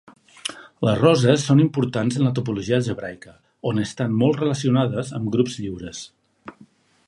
Les roses són importants en la topologia algebraica, on estan molt relacionades amb grups lliures.